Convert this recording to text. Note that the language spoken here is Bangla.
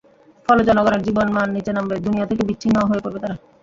ফলে জনগণের জীবনমান নিচে নামবে, দুনিয়া থেকে বিচ্ছিন্নও হয়ে পড়বে তারা।